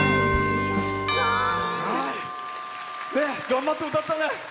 頑張って歌ったね。